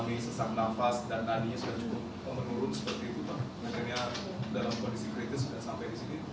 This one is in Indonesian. mungkin dalam kondisi kritis sudah sampai disini